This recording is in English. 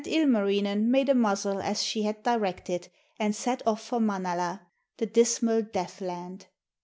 And Ilmarinen made a muzzle as she had directed, and set off for Manala, the dismal Deathland.